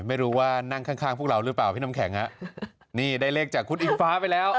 ไม่รู้ว่านั่งข้างข้างพวกเราหรือเปล่าพี่น้ำแข็งฮะนี่ได้เลขจากคุณอิงฟ้าไปแล้ว